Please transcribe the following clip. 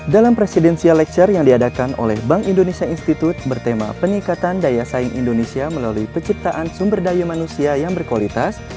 dalam presidensial lecture yang diadakan oleh bank indonesia institute bertema peningkatan daya saing indonesia melalui penciptaan sumber daya manusia yang berkualitas